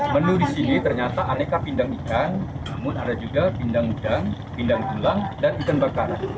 menu di sini ternyata aneka pindang ikan namun ada juga pindang udang pindang tulang dan ikan bakar